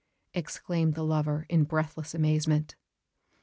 exclaimed the lover, in breathless amazement.